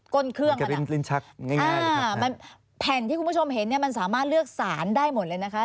้นเครื่องแผ่นที่คุณผู้ชมเห็นเนี่ยมันสามารถเลือกสารได้หมดเลยนะคะ